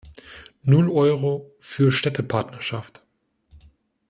Null Euro für Städtepartnerschaft!